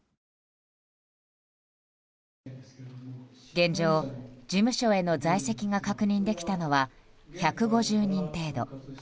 現状、事務所への在籍が確認できたのは１５０人程度。